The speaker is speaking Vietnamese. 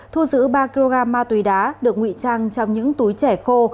thu giữ ba kg ma túy đá được nguy trang trong những túi trẻ khô